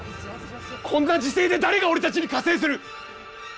こんな時勢で誰が俺たちに加勢する？